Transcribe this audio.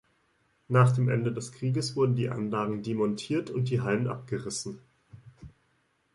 Nach dem Ende des Krieges wurden die Anlagen demontiert und die Hallen abgerissen.